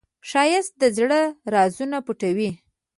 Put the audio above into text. ښایست د زړه رازونه پټوي